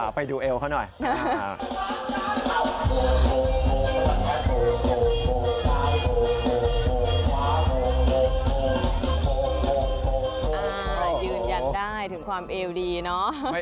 อ่ายืนยันได้ถึงความเอวดีเนอะ